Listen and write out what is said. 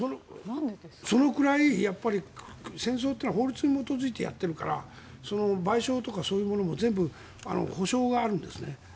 そのくらい、戦争というのは法律に基づいてやっているから賠償とかそういうものも全部、補償があるんです。